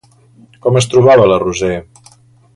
Com es trobava la Roser?